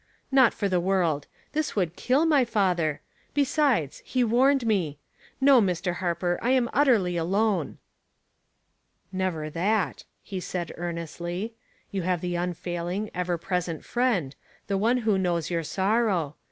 "Not for the world. This would kill my father ; besides — he warned me. No, Mr. Har per, I am utterly alone." " Never that," he said, earnestly. *' You have the unfailing, ever present Friend, the One who knows your sorrow.